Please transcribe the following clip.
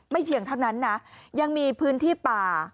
เพียงเท่านั้นนะยังมีพื้นที่ป่า